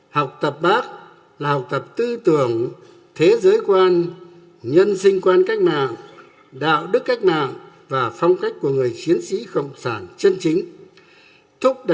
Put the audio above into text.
học tập bác học tập tư tưởng thế giới quan nhân sinh quan cách mạng đạo đức cách mạng và phong cách của người chiến sĩ cộng sản chân chính